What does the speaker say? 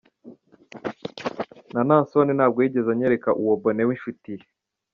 Na Naason ntabwo yigeze anyereka uwo Bonne w’inshuti ye.